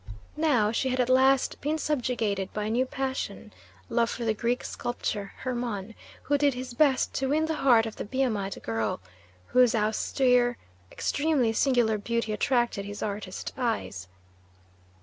Now she had at last been subjugated by a new passion love for the Greek sculptor Hermon, who did his best to win the heart of the Biamite girl, whose austere, extremely singular beauty attracted his artist eyes.